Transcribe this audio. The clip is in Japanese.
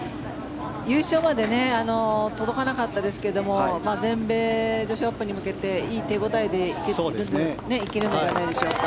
優勝まで届かなかったですが全米女子オープンに向けていい手応えで行けるんじゃないでしょうか。